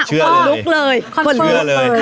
เชื่อเลยเชื่อเลย